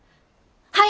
はい！